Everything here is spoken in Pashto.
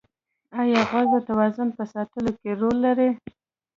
ایا غوږ د توازن په ساتلو کې رول لري؟